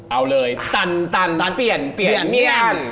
เอาเลยตันตันเปียงเปียงเมียน